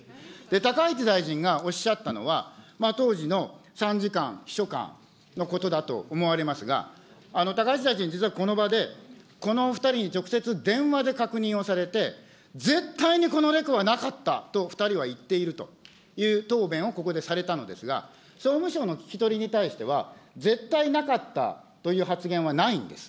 高市大臣がおっしゃったのは、当時の参事官、秘書官のことだと思われますが、高市大臣、実はこの場でこのお２人に直接電話で確認をされて、絶対にこのレクはなかったと２人は言っているという答弁をここでされたのですが、総務省の聞き取りに対しては、絶対なかったという発言はないんです。